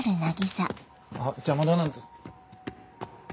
あっ邪魔だなんて。